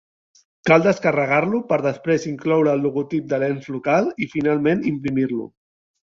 Cal descarregar-lo per després incloure el logotip de l'ens local i finalment imprimir-lo.